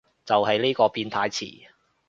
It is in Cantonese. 就係呢個變態詞